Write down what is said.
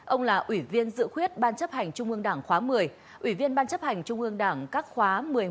ông là ủy viên dự khuyết ban chấp hành trung ương đảng khóa một mươi ủy viên ban chấp hành trung ương đảng các khóa một mươi một một mươi hai một mươi ba